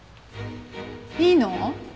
いいの？